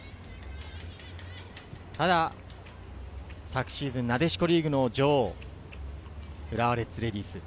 ただ昨シーズン、なでしこリーグの女王・浦和レッズレディース。